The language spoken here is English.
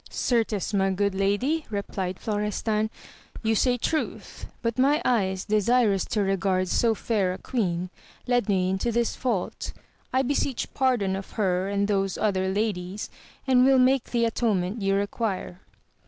Certes my good lady, replied Florestan, you say truth ; but my eyes, desirous to regard so fair a queen, led me into this fault. I beseech pardon of her and those other ladies, and will make the atonement ye require.